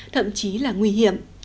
thậm chí là nguy hiểm